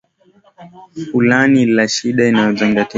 fulani la shida inayozingatiwa waandishi waliendelea kutoka kwa